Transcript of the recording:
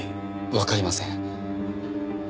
わかりません。